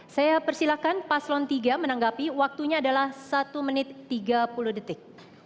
saya persilahkan paslon tiga menanggapi waktunya adalah satu menit tiga puluh detik